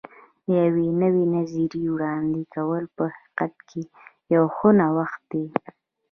د یوې نوې نظریې وړاندې کول په حقیقت کې یو ښه نوښت دی.